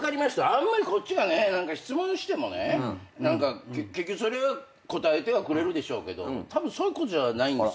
あんまりこっちがね質問してもねそれは答えてはくれるでしょうけどたぶんそういうことではないんですよ。